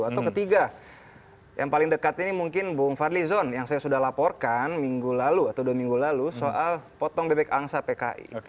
atau ketiga yang paling dekat ini mungkin bung fadli zon yang saya sudah laporkan minggu lalu atau dua minggu lalu soal potong bebek angsa pki